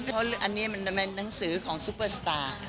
เพราะอันนี้มันจะเป็นหนังสือของซุปเปอร์สตาร์